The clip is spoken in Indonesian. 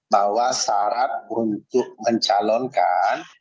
bahwa syarat untuk mencalonkan